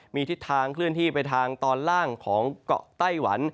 มีทิศทางเคลื่อนที่ไปทางตอนล่างของเกาะไต้หวัน